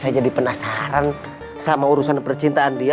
saya jadi penasaran sama urusan percintaan dia